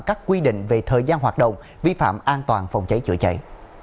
các quy định về thời gian hoạt động vi phạm an toàn phòng cháy chữa cháy